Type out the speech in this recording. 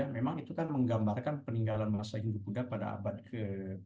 memang itu kan menggambarkan peninggalan masa hindu buddha pada abad ke sepuluh